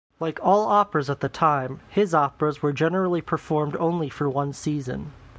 Like all operas at the time, his operas were generally performed only for one season.